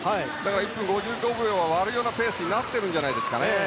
１分５５秒を割るペースになっているんじゃないですか。